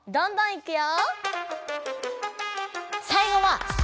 いくよ。